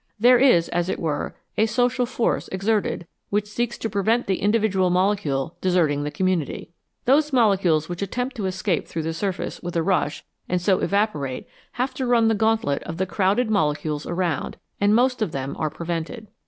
There is, as it were, a social force exerted which seeks to prevent the individual molecule desert ing the community. Those molecules which attempt to escape through the surface with a rush and so evapo rate have to run the gauntlet of the crowded molecules around, and most of them are prevented.